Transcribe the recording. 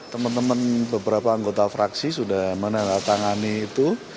teman teman beberapa anggota fraksi sudah menandatangani itu